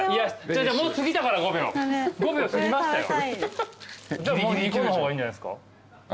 じゃあもう２個の方がいいんじゃないっすか？